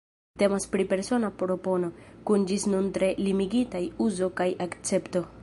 Temas pri persona propono, kun ĝis nun tre limigitaj uzo kaj akcepto.